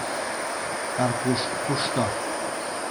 Карпуш кушто?